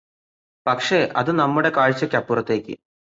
പക്ഷേ അത് നമ്മുടെ കാഴ്ചയ്കപ്പുറത്തേയ്ക്